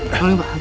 maju sangat besar